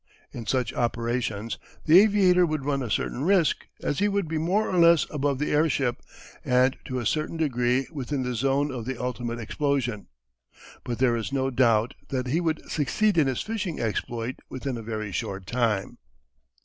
In such operations the aviator would run a certain risk, as he would be more or less above the airship, and to a certain degree within the zone of the ultimate explosion. But there is no doubt that he would succeed in his "fishing" exploit within a very short time.